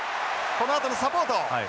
このあとのサポート。